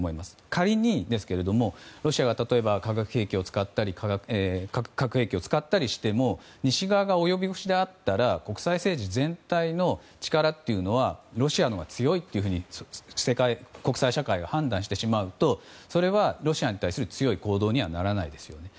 仮にですけどロシアが例えば化学兵器を使ったり核兵器を使ったりしても西側が及び腰であったら国際政治全体の力というのはロシアのほうが強いと国際社会が判断してしまうとそれはロシアに対する強い行動にはならないですよね。